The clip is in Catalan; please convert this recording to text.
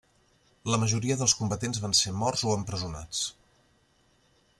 La majoria dels combatents van ser morts o empresonats.